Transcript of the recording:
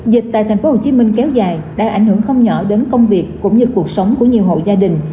dịch tại tp hcm kéo dài đã ảnh hưởng không nhỏ đến công việc cũng như cuộc sống của nhiều hộ gia đình